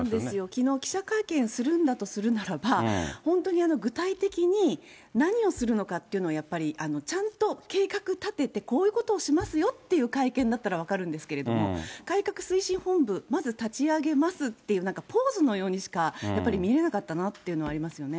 きのう、記者会見するとするならば、本当に具体的に何をするのかっていうのをやっぱりちゃんと計画立てて、こういうことをしますよっていう会見だったら分かるんですけれども、改革推進本部、まず立ち上げますっていう、ポーズのようにしかやっぱり見れなかったなっていうのはあります